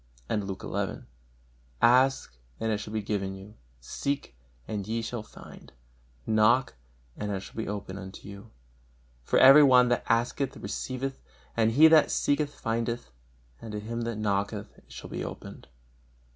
And Luke xi: "Ask, and it shall be given you; seek, and ye shall find; knock, and it shall be opened unto you; for every one that asketh receiveth; and he that seeketh findeth; and to him that knocketh it shall be opened.